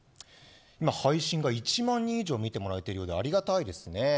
今、配信が１万人以上見てもらえてありがたいですね。